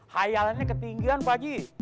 hayalannya ketinggian pak haji